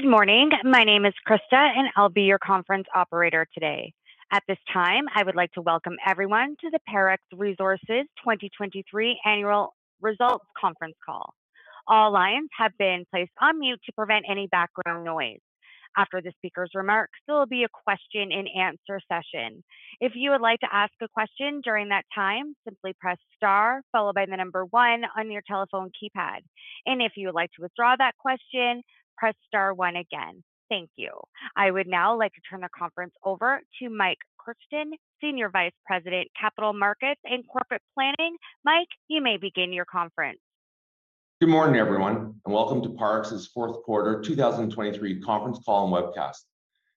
Good morning. My name is Krista, and I'll be your conference operator today. At this time, I would like to welcome everyone to the Parex Resources 2023 Annual Results Conference Call. All lines have been placed on mute to prevent any background noise. After the speaker's remarks, there will be a question-and-answer session. If you would like to ask a question during that time, simply press * followed by the number 1 on your telephone keypad. If you would like to withdraw that question, press * 1 again. Thank you. I would now like to turn the conference over to Mike Kruchten, Senior Vice President, Capital Markets and Corporate Planning. Mike, you may begin your conference. Good morning, everyone, and welcome to Parex's fourth quarter 2023 conference call and webcast.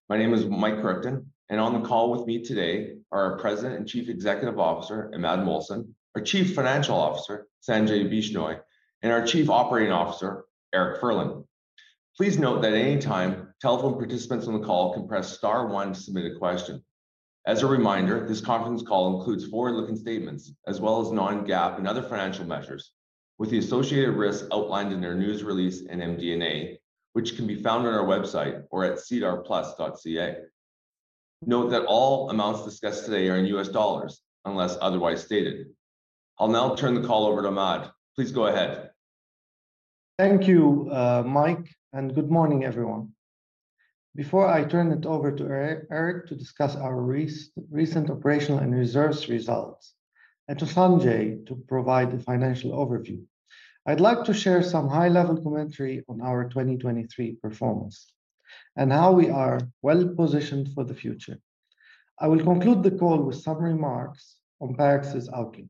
My name is Mike Kruchten, and on the call with me today are our President and Chief Executive Officer Imad Mohsen, our Chief Financial Officer Sanjay Bishnoi, and our Chief Operating Officer Eric Furlan. Please note that anytime telephone participants on the call can press * 1 to submit a question. As a reminder, this conference call includes forward-looking statements as well as non-GAAP and other financial measures, with the associated risks outlined in their news release and MD&A, which can be found on our website or at SEDAR+.ca. Note that all amounts discussed today are in US dollars, unless otherwise stated. I'll now turn the call over to Imad. Please go ahead. Thank you, Mike, and good morning, everyone. Before I turn it over to Eric to discuss our recent operational and reserves results, and to Sanjay to provide the financial overview, I'd like to share some high-level commentary on our 2023 performance and how we are well-positioned for the future. I will conclude the call with some remarks on Parex's outlook.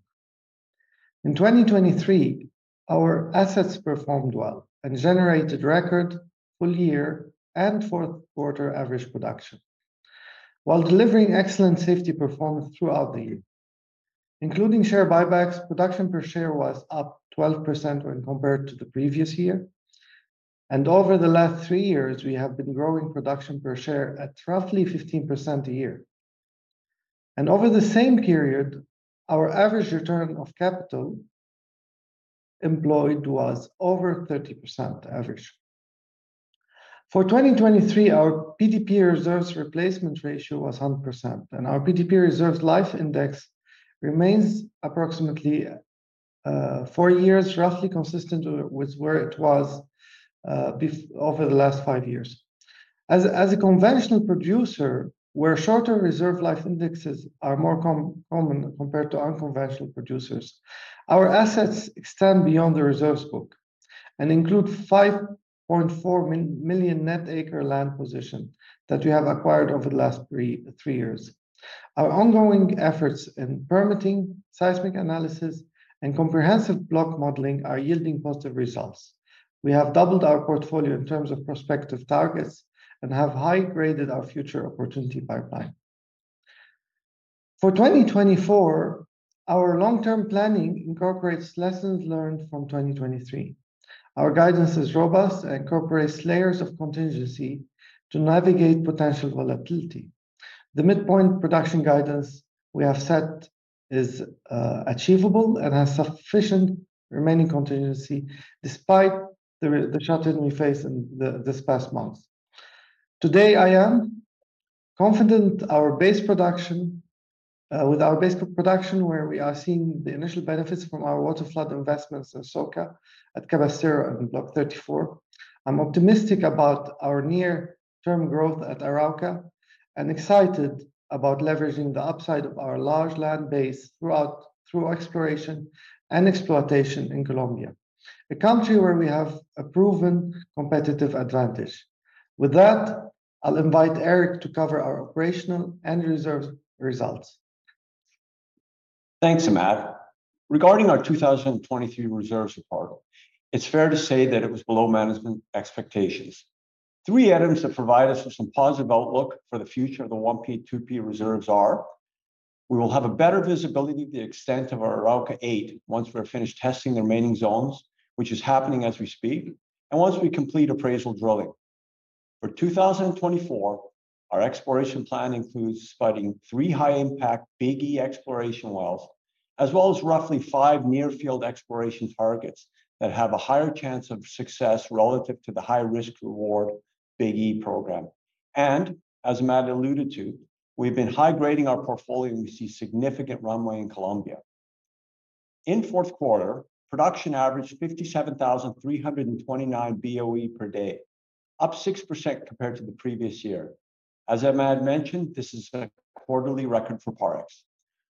In 2023, our assets performed well and generated record full-year and fourth-quarter average production, while delivering excellent safety performance throughout the year. Including share buybacks, production per share was up 12% when compared to the previous year, and over the last three years, we have been growing production per share at roughly 15% a year. Over the same period, our average return of capital employed was over 30% average. For 2023, our PDP eserves replacement ratio was 100%, and our PDP reserves life index remains approximately four years, roughly consistent with where it was over the last five years. As a conventional producer, where shorter reserve life indexes are more common compared to unconventional producers, our assets extend beyond the reserves book and include 5.4 million net acre land position that we have acquired over the last three years. Our ongoing efforts in permitting, seismic analysis, and comprehensive block modeling are yielding positive results. We have doubled our portfolio in terms of prospective targets and have high-graded our future opportunity pipeline. For 2024, our long-term planning incorporates lessons learned from 2023. Our guidance is robust and incorporates layers of contingency to navigate potential volatility. The midpoint production guidance we have set is achievable and has sufficient remaining contingency despite the shutdown we faced in this past month. Today, I am confident with our base production, where we are seeing the initial benefits from our waterflood investments in Southern Casanare at Cabrestero and Block 34. I'm optimistic about our near-term growth at Arauca and excited about leveraging the upside of our large land base through exploration and exploitation in Colombia, a country where we have a proven competitive advantage. With that, I'll invite Eric to cover our operational and reserves results. Thanks, Imad. Regarding our 2023 reserves report, it's fair to say that it was below management expectations. Three items that provide us with some positive outlook for the future of the 1P, 2P reserves are: we will have a better visibility of the extent of our Arauca 8 once we're finished testing the remaining zones, which is happening as we speak, and once we complete appraisal drilling. For 2024, our exploration plan includes spotting three high-impact Big E exploration wells, as well as roughly five near-field exploration targets that have a higher chance of success relative to the high-risk-reward Big E program. As Imad alluded to, we've been high-grading our portfolio, and we see significant runway in Colombia. In fourth quarter, production averaged 57,329 BOE per day, up 6% compared to the previous year. As Imad mentioned, this is a quarterly record for Parex.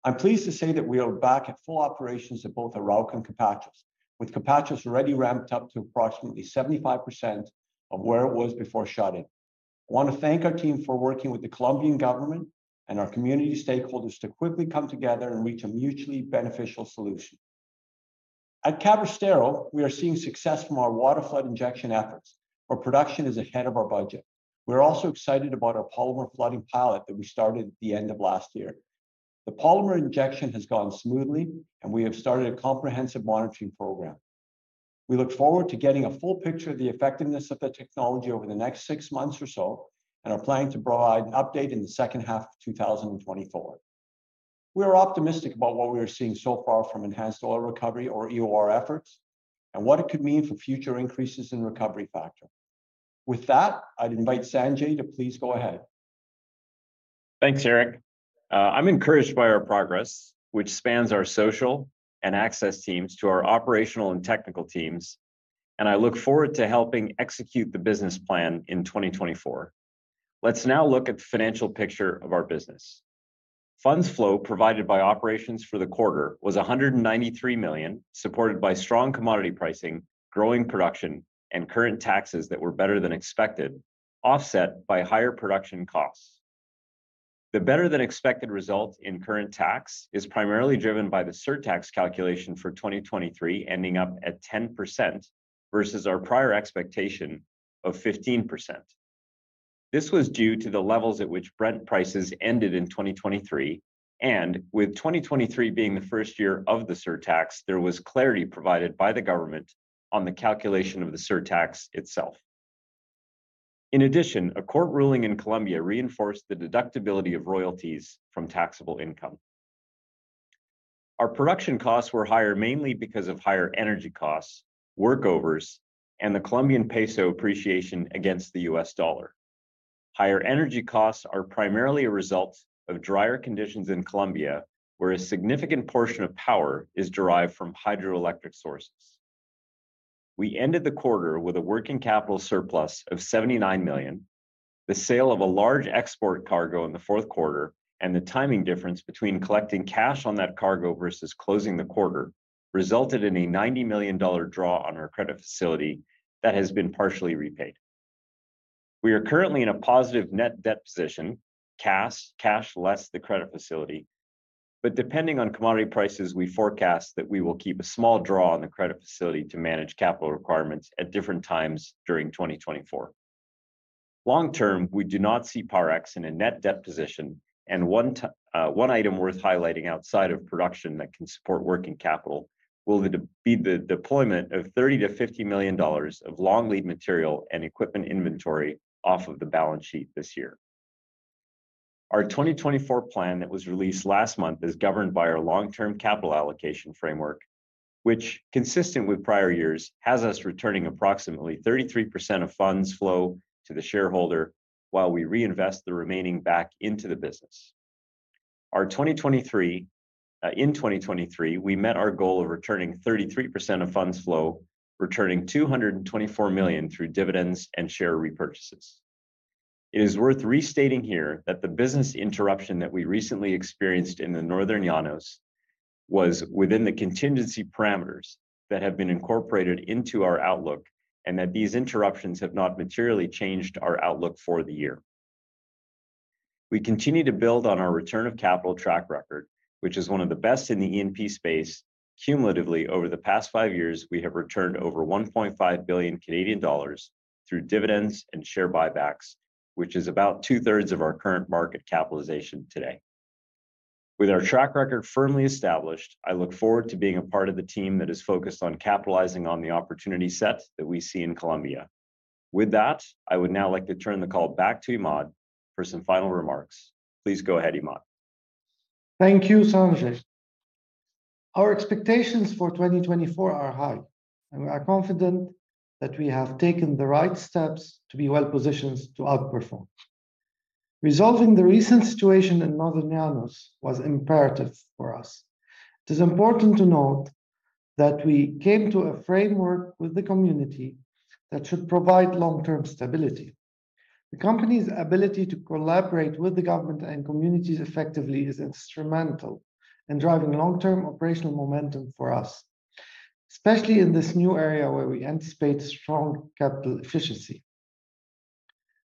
I'm pleased to say that we are back at full operations at both Arauca and Capachos, with Capachos already ramped up to approximately 75% of where it was before shutting. I want to thank our team for working with the Colombian government and our community stakeholders to quickly come together and reach a mutually beneficial solution. At Cabrestero, we are seeing success from our water flood injection efforts, where production is ahead of our budget. We are also excited about our polymer flooding pilot that we started at the end of last year. The polymer injection has gone smoothly, and we have started a comprehensive monitoring program. We look forward to getting a full picture of the effectiveness of the technology over the next six months or so and are planning to provide an update in the second half of 2024. We are optimistic about what we are seeing so far from enhanced oil recovery, or EOR, efforts and what it could mean for future increases in recovery factor. With that, I'd invite Sanjay to please go ahead. Thanks, Eric. I'm encouraged by our progress, which spans our social and access teams to our operational and technical teams, and I look forward to helping execute the business plan in 2024. Let's now look at the financial picture of our business. Funds flow provided by operations for the quarter was $193 million, supported by strong commodity pricing, growing production, and current taxes that were better than expected, offset by higher production costs. The better-than-expected result in current tax is primarily driven by the surtax calculation for 2023 ending up at 10% versus our prior expectation of 15%. This was due to the levels at which Brent prices ended in 2023, and with 2023 being the first year of the surtax, there was clarity provided by the government on the calculation of the surtax itself. In addition, a court ruling in Colombia reinforced the deductibility of royalties from taxable income. Our production costs were higher mainly because of higher energy costs, workovers, and the Colombian peso appreciation against the US dollar. Higher energy costs are primarily a result of drier conditions in Colombia, where a significant portion of power is derived from hydroelectric sources. We ended the quarter with a working capital surplus of $79 million. The sale of a large export cargo in the fourth quarter and the timing difference between collecting cash on that cargo versus closing the quarter resulted in a $90 million draw on our credit facility that has been partially repaid. We are currently in a positive net debt position, cash, cash less the credit facility, but depending on commodity prices, we forecast that we will keep a small draw on the credit facility to manage capital requirements at different times during 2024. Long term, we do not see Parex in a net debt position, and one item worth highlighting outside of production that can support working capital will be the deployment of $30-$50 million of long lead material and equipment inventory off of the balance sheet this year. Our 2024 plan that was released last month is governed by our long-term capital allocation framework, which, consistent with prior years, has us returning approximately 33% of funds flow to the shareholder while we reinvest the remaining back into the business. In 2023, we met our goal of returning 33% of funds flow, returning $224 million through dividends and share repurchases. It is worth restating here that the business interruption that we recently experienced in the Northern Llanos was within the contingency parameters that have been incorporated into our outlook and that these interruptions have not materially changed our outlook for the year. We continue to build on our return of capital track record, which is one of the best in the ENP space. Cumulatively, over the past five years, we have returned over 1.5 billion Canadian dollars through dividends and share buybacks, which is about two-thirds of our current market capitalization today. With our track record firmly established, I look forward to being a part of the team that is focused on capitalizing on the opportunity set that we see in Colombia. With that, I would now like to turn the call back to Imad for some final remarks. Please go ahead, Imad. Thank you, Sanjay. Our expectations for 2024 are high, and we are confident that we have taken the right steps to be well-positioned to outperform. Resolving the recent situation in Northern Llanos was imperative for us. It is important to note that we came to a framework with the community that should provide long-term stability. The company's ability to collaborate with the government and communities effectively is instrumental in driving long-term operational momentum for us, especially in this new area where we anticipate strong capital efficiency.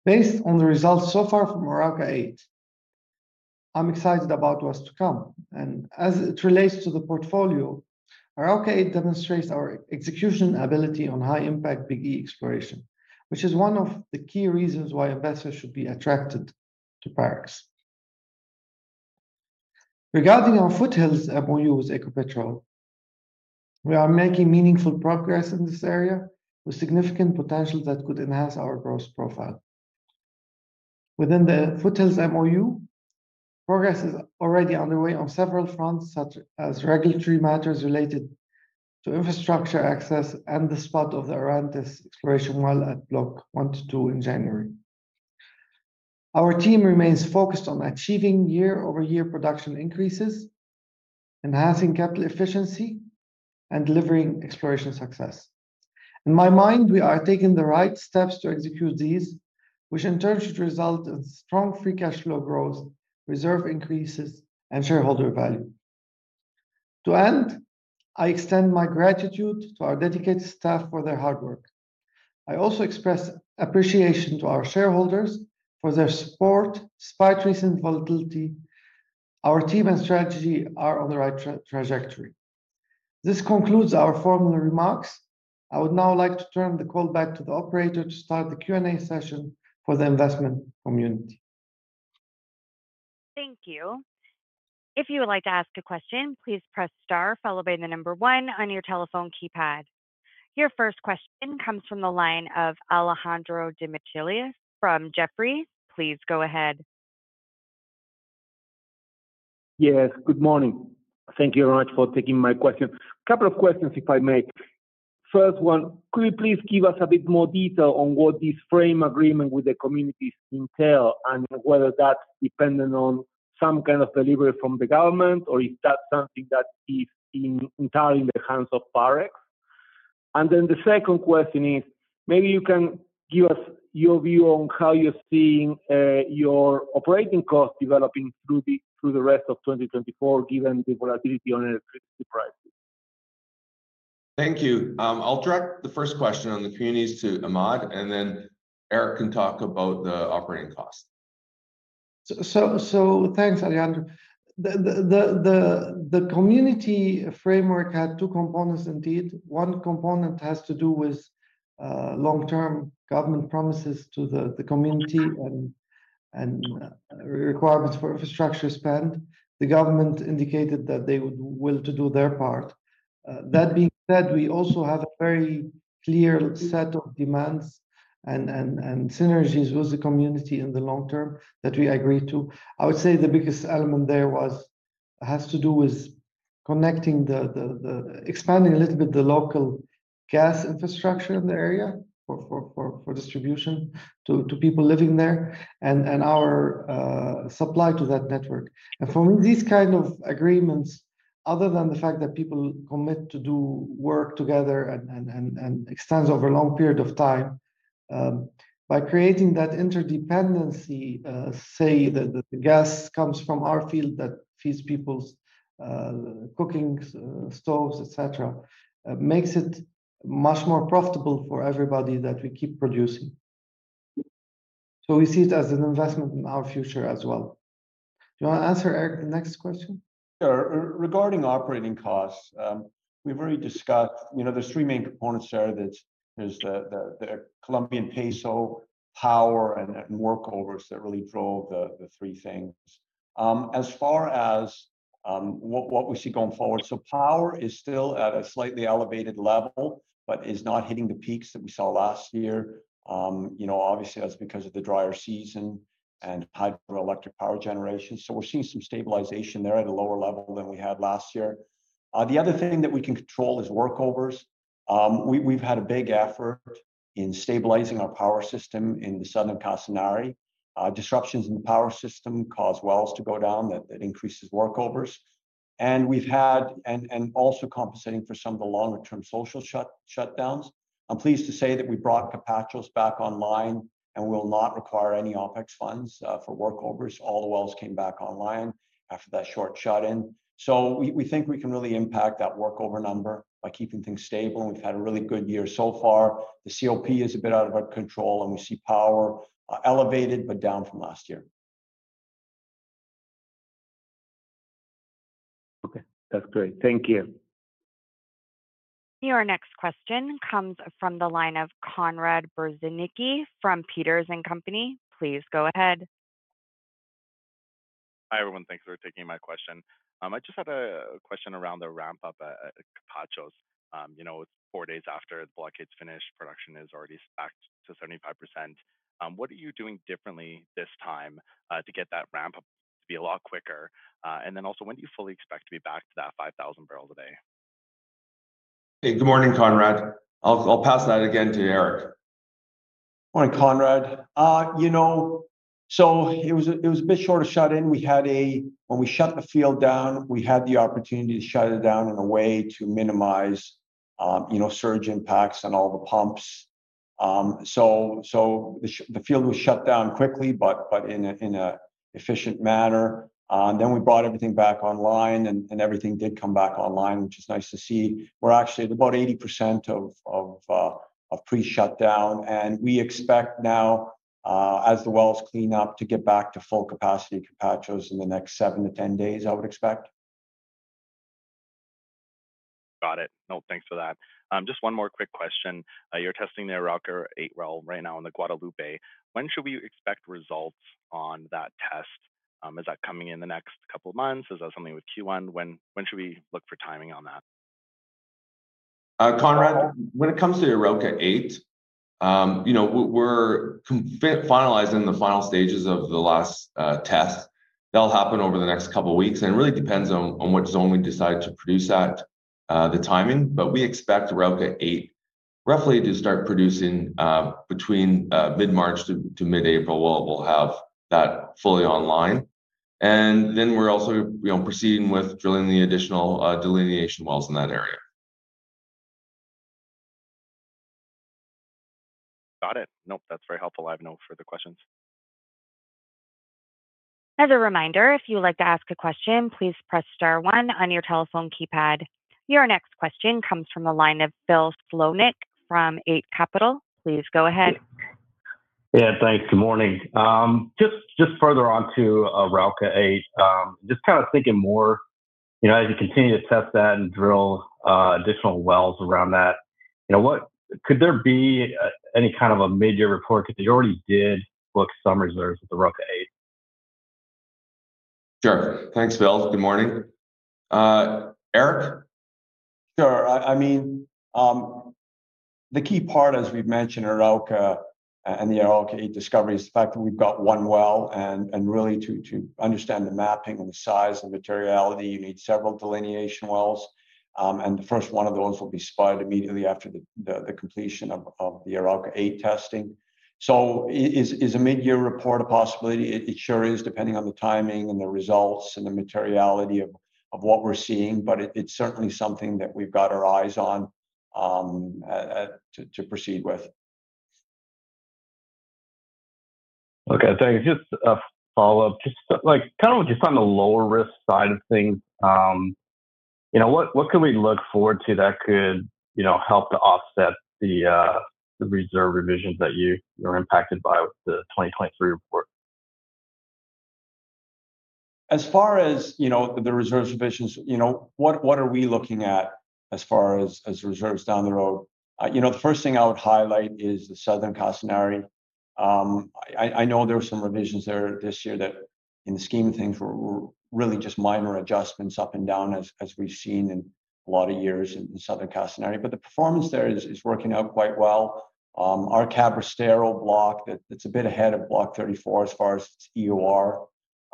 Based on the results so far from Arauca 8, I'm excited about what's to come. As it relates to the portfolio, Arauca 8 demonstrates our execution ability on high-impact Big E Exploration, which is one of the key reasons why investors should be attracted to Parex. Regarding our Foothills MOU with Ecopetrol, we are making meaningful progress in this area with significant potential that could enhance our growth profile. Within the Foothills MOU, progress is already underway on several fronts, such as regulatory matters related to infrastructure access and the spud of the Arantes exploration well at Block 12 in January. Our team remains focused on achieving year-over-year production increases, enhancing capital efficiency, and delivering exploration success. In my mind, we are taking the right steps to execute these, which in turn should result in strong free cash flow growth, reserve increases, and shareholder value. To end, I extend my gratitude to our dedicated staff for their hard work. I also express appreciation to our shareholders for their support despite recent volatility. Our team and strategy are on the right trajectory. This concludes our formal remarks. I would now like to turn the call back to the operator to start the Q&A session for the investment community. Thank you. If you would like to ask a question, please press star followed by the number 1 on your telephone keypad. Your first question comes from the line of Alejandro Demichelis from Jefferies. Please go ahead. Yes, good morning. Thank you very much for taking my question. A couple of questions, if I may. First one, could you please give us a bit more detail on what this frame agreement with the communities entails and whether that's dependent on some kind of delivery from the government, or is that something that is entirely in the hands of Parex? And then the second question is, maybe you can give us your view on how you're seeing your operating costs developing through the rest of 2024, given the volatility on electricity prices. Thank you. I'll direct the first question on the communities to Imad, and then Eric can talk about the operating costs. Thanks, Alejandro. The community framework had two components, indeed. One component has to do with long-term government promises to the community and requirements for infrastructure spend. The government indicated that they would be willing to do their part. That being said, we also have a very clear set of demands and synergies with the community in the long term that we agreed to. I would say the biggest element there has to do with expanding a little bit the local gas infrastructure in the area for distribution to people living there and our supply to that network. For me, these kinds of agreements, other than the fact that people commit to do work together and extends over a long period of time, by creating that interdependency, say, that the gas comes from our field that feeds people's cooking stoves, et cetera, makes it much more profitable for everybody that we keep producing. We see it as an investment in our future as well. Do you want to answer, Eric, the next question? Sure. Regarding operating costs, we've already discussed there's three main components there: there's the Colombian peso, power, and workovers that really drove the three things. As far as what we see going forward, power is still at a slightly elevated level but is not hitting the peaks that we saw last year. Obviously, that's because of the drier season and hydroelectric power generation. So we're seeing some stabilization there at a lower level than we had last year. The other thing that we can control is workovers. We've had a big effort in stabilizing our power system in the southern Casanare. Disruptions in the power system cause wells to go down that increases workovers. And we've had, and also compensating for some of the longer-term social shutdowns, I'm pleased to say that we brought Capachos back online and will not require any OPEX funds for workovers. All the wells came back online after that short shut-in. So we think we can really impact that workover number by keeping things stable. And we've had a really good year so far. The COP is a bit out of our control, and we see power elevated but down from last year. Okay. That's great. Thank you. Your next question comes from the line of Conrad Bersinski from Peters and Company. Please go ahead. Hi, everyone. Thanks for taking my question. I just had a question around the ramp-up at Capachos. It's four days after the blockade's finished. Production is already back to 75%. What are you doing differently this time to get that ramp-up to be a lot quicker? And then also, when do you fully expect to be back to that 5,000 barrel a day? Hey, good morning, Conrad. I'll pass that again to Eric. Morning, Conrad. So it was a bit short of shut-in. When we shut the field down, we had the opportunity to shut it down in a way to minimize surge impacts on all the pumps. So the field was shut down quickly but in an efficient manner. Then we brought everything back online, and everything did come back online, which is nice to see. We're actually at about 80% of pre-shutdown. And we expect now, as the wells clean up, to get back to full capacity Capachos in the next 7-10 days, I would expect. Got it. No, thanks for that. Just one more quick question. You're testing the Arauca 8 well right now in the Guadalupe play. When should we expect results on that test? Is that coming in the next couple of months? Is that something with Q1? When should we look for timing on that? Conrad, when it comes to Arauca 8, we're finalizing the final stages of the last test. That'll happen over the next couple of weeks. And it really depends on what zone we decide to produce at the timing. But we expect Arauca 8 roughly to start producing between mid-March to mid-April while we'll have that fully online. And then we're also proceeding with drilling the additional delineation wells in that area. Got it. Nope, that's very helpful. I have no further questions. As a reminder, if you would like to ask a question, please press * 1 on your telephone keypad. Your next question comes from the line of Phil Skolnick from Eight Capital. Please go ahead. Yeah, thanks. Good morning. Just further on to Arauca 8, just kind of thinking more, as you continue to test that and drill additional wells around that, could there be any kind of a mid-year report? Because you already did book some reserves with Arauca 8. Sure. Thanks, Phil. Good morning. Eric? Sure. I mean, the key part, as we've mentioned, Arauca and the Arauca 8 discovery is the fact that we've got one well. And really, to understand the mapping and the size and materiality, you need several delineation wells. And the first one of those will be spotted immediately after the completion of the Arauca 8 testing. So is a mid-year report a possibility? It sure is, depending on the timing and the results and the materiality of what we're seeing. But it's certainly something that we've got our eyes on to proceed with. Okay. Thanks. Just a follow-up. Kind of with just on the lower-risk side of things, what can we look forward to that could help to offset the reserve revisions that you're impacted by with the 2023 report? As far as the reserves revisions, what are we looking at as far as reserves down the road? The first thing I would highlight is the Southern Casanare. I know there were some revisions there this year that, in the scheme of things, were really just minor adjustments up and down as we've seen in a lot of years in Southern Casanare. But the performance there is working out quite well. Our Cabrestero Block that's a bit ahead of Block 34 as far as its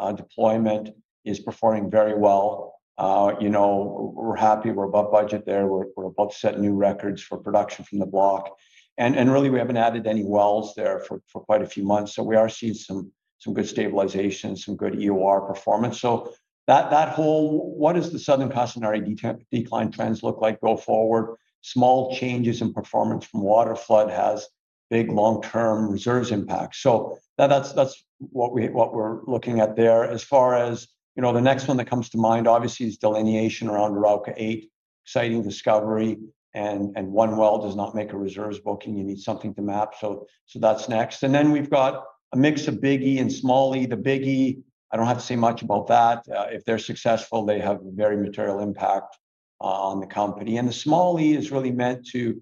EOR deployment is performing very well. We're happy. We're above budget there. We're above setting new records for production from the block. And really, we haven't added any wells there for quite a few months. So we are seeing some good stabilization, some good EOR performance. So what does the Southern Casanare decline trends look like go forward? Small changes in performance from Water Flood has big, long-term reserves impacts. So that's what we're looking at there. As far as the next one that comes to mind, obviously, is delineation around Arauca 8, exciting discovery. One well does not make a reserves booking. You need something to map. So that's next. Then we've got a mix of Big E and Small E. The Big E, I don't have to say much about that. If they're successful, they have a very material impact on the company. The Small E is really meant to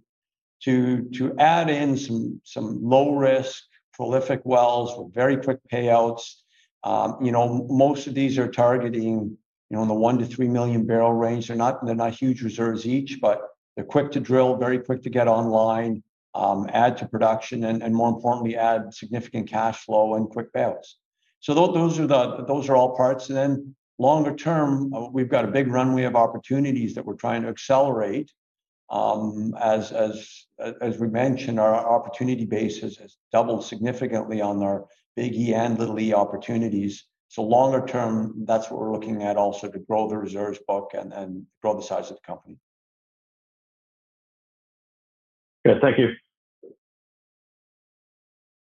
add in some low-risk, prolific wells with very quick payouts. Most of these are targeting in the 1-3 million barrel range. They're not huge reserves each, but they're quick to drill, very quick to get online, add to production, and more importantly, add significant cash flow and quick payouts. Those are all parts. Longer term, we've got a big runway of opportunities that we're trying to accelerate. As we mentioned, our opportunity base has doubled significantly on our Big E and Small E opportunities. Longer term, that's what we're looking at also, to grow the reserves book and grow the size of the company. Good. Thank you.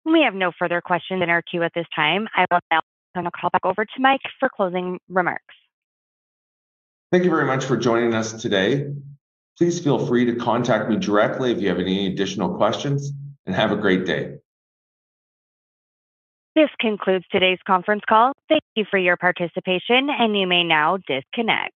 We have no further questions in our queue at this time. I will now turn the call back over to Mike for closing remarks. Thank you very much for joining us today. Please feel free to contact me directly if you have any additional questions. Have a great day. This concludes today's conference call. Thank you for your participation, and you may now disconnect.